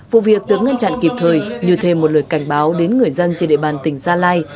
vụ việc được ngăn chặn kịp thời như thêm một lời cảnh báo đến người dân trên địa bàn tỉnh gia lai